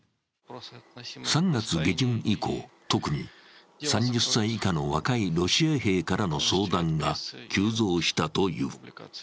３月下旬以降、特に３０歳以下の若いロシア兵からの相談が急増したという。